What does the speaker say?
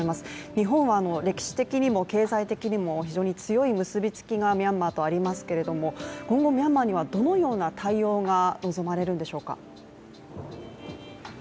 日本は、歴史的にも経済的にも非常に強い結びつきがミャンマーとありますけれども今後ミャンマーにはどのようんな対応が望まれるんでしょうか。